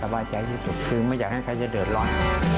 แต่บ้าใจที่สุดคือไม่อยากให้ใครจะเดินรอย